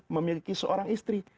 memiliki seorang istri